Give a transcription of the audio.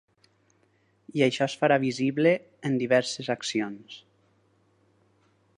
I això és farà visible amb diverses accions.